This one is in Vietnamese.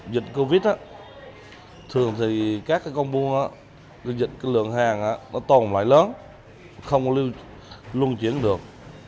dịch covid thường thì các công bố dịch lượng hàng toàn loại lớn không luôn chuyển được